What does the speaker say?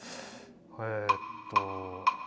えっと。